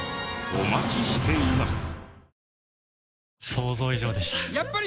お待ちしています。